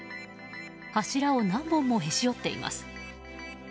柱を何本も、へし折っています。